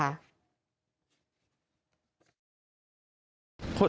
พี่ชายตอบเลยว่าตั้งแต่อยู่ด้วยกันมานี่ผมไม่เห็นว่าน้องผมมีอะไรผิดปกตินะ